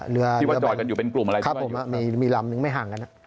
ที่ว่าจอดกันอยู่เป็นกลุ่มอะไรครับผมมีลำนึงไม่ห่างกัน